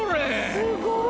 すごい。